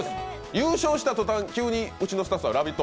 優勝したとたん、うちのスタッフは「ラヴィット！」